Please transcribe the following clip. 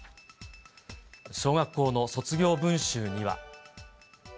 小学校の卒業文集には。